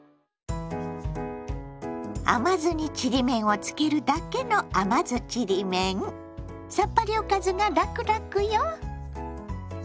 甘酢にちりめんをつけるだけのさっぱりおかずがラクラクよ。